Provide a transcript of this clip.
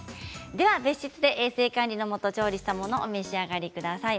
では別室で衛生管理のもと調理したものをお召し上がりください。